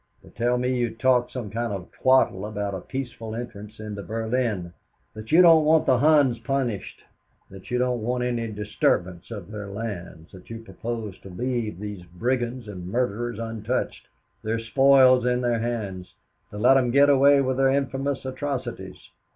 They tell me you talked some kind of twaddle about a peaceful entrance into Berlin, that you don't want the Huns punished, that you don't want any disturbance of their lands, that you propose to leave these brigands and murderers untouched, their spoils in their hands, to let them get away with their infamous atrocities.